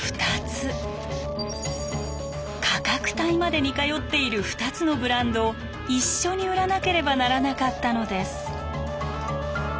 価格帯まで似通っている２つのブランドを一緒に売らなければならなかったのです。